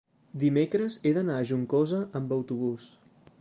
dimecres he d'anar a Juncosa amb autobús.